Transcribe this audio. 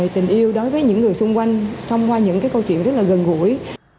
tình yêu đối với những người xung quanh thông qua những câu chuyện rất là gần gũi